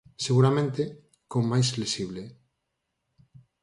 Seguramente, con máis flexible.